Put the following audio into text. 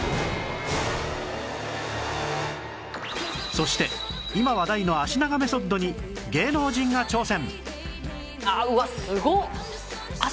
そして今話題の脚長メソッドに芸能人が挑戦